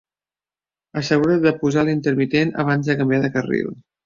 Assegura't de posar l'intermitent abans de canviar de carril